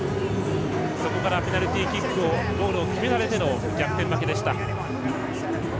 そこからペナルティゴールを決められての逆転負けでした。